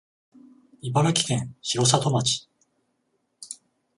茨城県城里町